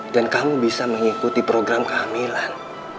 dan kamu bisa mengikuti program kehamilan